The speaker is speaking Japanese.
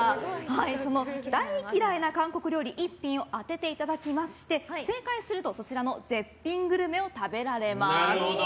その大嫌いな韓国料理１品を当てていただきまして正解すると、そちらの絶品グルメを食べられます。